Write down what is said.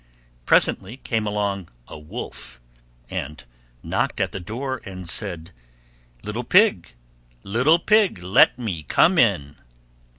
Presently came along a Wolf, and knocked at the door, and said, "Little Pig, little Pig, let me come in."